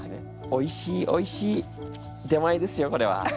おいしいおいしい出前ですよこれは。